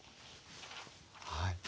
はい。